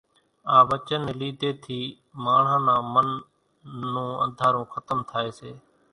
آ وچن ني ليڌي ٿي ماڻۿان نا من نون انڌارو کتم ٿائي سي